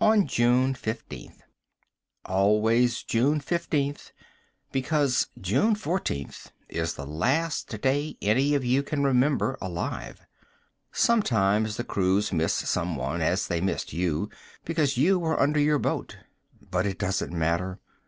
On June 15th. "Always June 15th, because June 14th is the last day any of you can remember alive. Sometimes the crews miss someone as they missed you, because you were under your boat. But it doesn't matter.